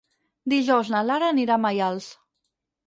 Dijous na Lara anirà a Maials.